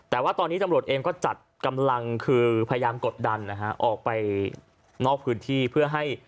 แต่ว่าตอนนี้ตำรวจเองก็จัดกำลังคือพยายามกดดันนะฮะออกไปนอกพื้นที่เพื่อให้